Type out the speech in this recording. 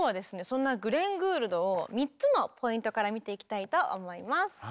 そんなグレン・グールドを３つのポイントから見ていきたいと思います。